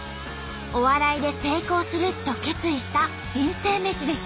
「お笑いで成功する」と決意した人生めしでした。